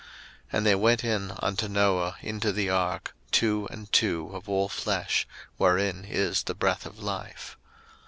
01:007:015 And they went in unto Noah into the ark, two and two of all flesh, wherein is the breath of life.